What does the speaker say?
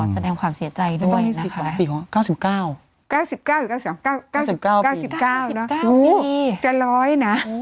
ขอแสดงความเสียใจด้วยนะคะ๙๙๙๙หรือ๙๙๙๙เนอะโอ้โหจะร้อยนะ